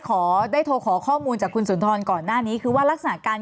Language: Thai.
ขอได้โทรขอข้อมูลจากคุณสุนทรก่อนหน้านี้คือว่ารักษณะการ